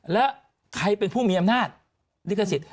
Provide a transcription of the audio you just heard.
แล้วใครเป็นผู้มีอำนาจลิขสิทธิ